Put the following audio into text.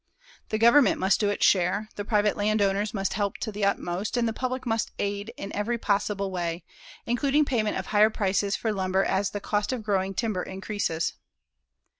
The Government must do its share, the private landowner must help to the utmost and the public must aid in every possible way, including payment of higher prices for lumber as the cost of growing timber increases.